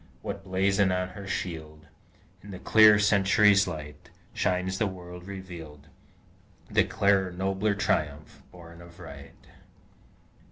What blazon on her shield, In the clear Century's light Shines to the world revealed, Declaring nobler triumph, born of Right?